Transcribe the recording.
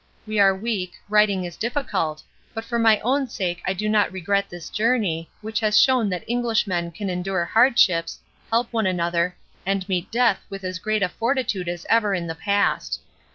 We are weak, writing is difficult, but for my own sake I do not regret this journey, which has shown that Englishmen can endure hardships, help one another, and meet death with as great a fortitude as ever in the past.